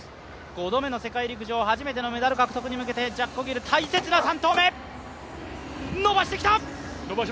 ５度目の世界陸上、初めてのメダル獲得に向けてジャッコ・ギル、大切な３投目、伸ばしてきた！